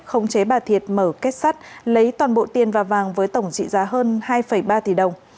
khống chế bà thiệt mở kết sắt lấy toàn bộ tiền và vàng với tổng trị giá hơn hai ba tỷ đồng